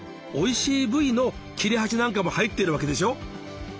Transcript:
おいしい部位の切れ端なんかも入ってるわけでしょ。